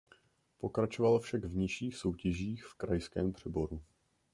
Pokračoval však v nižších soutěžích v krajském přeboru.